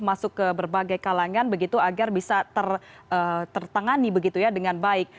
masuk ke berbagai kalangan begitu agar bisa tertangani begitu ya dengan baik